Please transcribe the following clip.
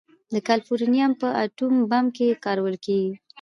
د کالیفورنیم په اټوم بم کې کارول کېږي.